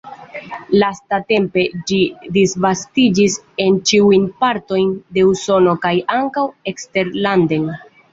Lastatempe ĝi disvastiĝis en ĉiujn partojn de Usono kaj ankaŭ eksterlanden.